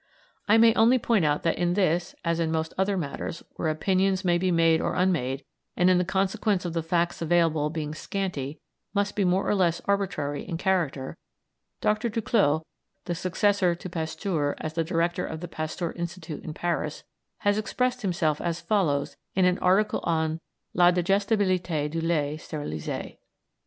I may only point out that in this, as in most other matters where opinions may be made or unmade, and in consequence of the facts available being scanty must be more or less arbitrary in character, Dr. Duclaux, the successor to Pasteur as Director of the Pasteur Institute in Paris, has expressed himself as follows in an article on "La digestibilité du lait stérilisé."